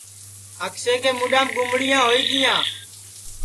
اکشے کے مُڈؔام گُمڑیاں ہوئی گیاں